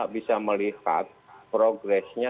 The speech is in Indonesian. bisa melihat progresnya